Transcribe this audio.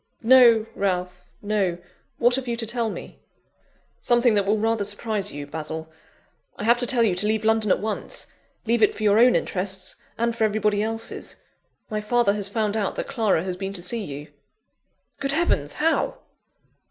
"No, Ralph no. What have you to tell me?" "Something that will rather surprise you, Basil: I have to tell you to leave London at once! Leave it for your own interests and for everybody else's. My father has found out that Clara has been to see you." "Good heavens! how?"